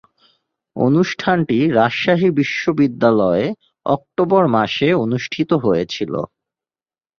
অনুষ্ঠানটি রাজশাহী বিশ্বনিদ্যালয়ে অক্টোবর মাসে অনুষ্ঠিত হয়েছিলো।